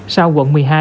sau quận một mươi hai